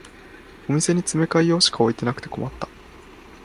お店に詰め替え用しか置いてなくて困った